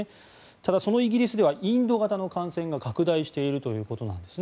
ただ、そのイギリスではインド型の感染が拡大しているということです。